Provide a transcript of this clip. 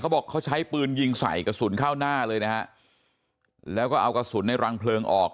บอกเขาใช้ปืนยิงใส่กระสุนเข้าหน้าเลยนะฮะแล้วก็เอากระสุนในรังเพลิงออก